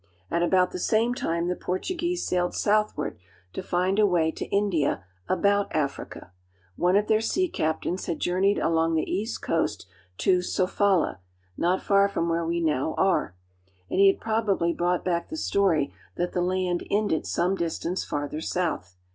At about the same time the Portuguese sailed southward to find a way to India about Africa. One of their sea captains had journeyed along the east coast to Sofala (so fa'l^), not far from where we now are; and he had probably brought back the story that the land ended some distance farther south.